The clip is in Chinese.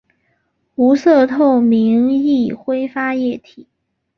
无色透明易挥发液体。